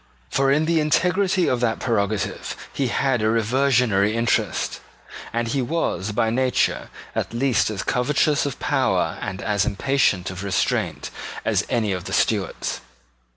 For in the integrity of that prerogative he had a reversionary interest; and he was, by nature, at least as covetous of power and as impatient of restraint as any of the Stuarts.